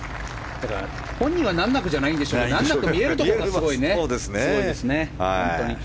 本人は難なくじゃないんでしょうけど難なく見えるところがすごいね。